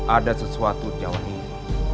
ada sesuatu di cawan ini